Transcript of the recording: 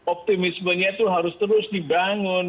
optimismenya itu harus terus dibangun